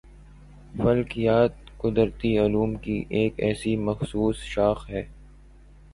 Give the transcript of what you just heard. فلکیات قُدرتی علوم کی ایک ایسی مخصُوص شاخ ہے